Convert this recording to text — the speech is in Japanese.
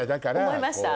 思いました？